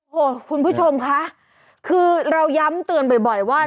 โอ้โหคุณผู้ชมคะคือเราย้ำเตือนบ่อยว่า